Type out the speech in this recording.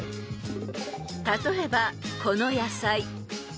［例えばこの野菜］